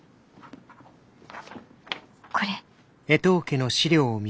これ。